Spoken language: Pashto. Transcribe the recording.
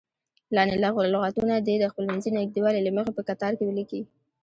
لاندې لغتونه دې د خپلمنځي نږدېوالي له مخې په کتار کې ولیکئ.